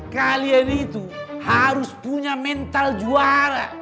kalian itu harus punya mental juara